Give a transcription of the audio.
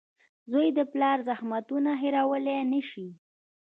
• زوی د پلار زحمتونه هېرولی نه شي.